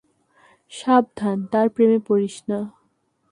সাবধান, তার প্রেমে পড়িস না।